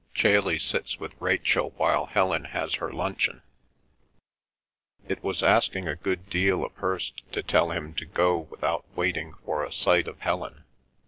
Chailey sits with Rachel while Helen has her luncheon." It was asking a good deal of Hirst to tell him to go without waiting for a sight of Helen.